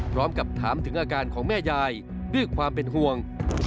พร้อมกับถามถึงอาการของแม่ยายด้วยความเป็นห่วง